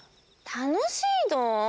たのしいの？